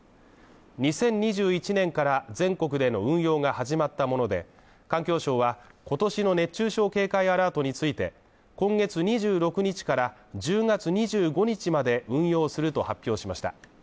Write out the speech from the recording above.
２０２１年から全国での運用が始まったもので、環境省は、今年の熱中症警戒アラートについて今月２６日から１０月２５日まで運用すると発表しました。